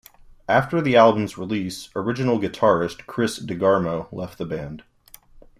After the album's release, original guitarist Chris DeGarmo left the band.